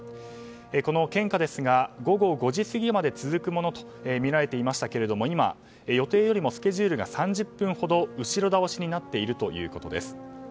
この献花ですが午後５時過ぎまで続くものとみられていましたが今、予定よりもスケジュールが３０分ほど後ろ倒しになっているということです。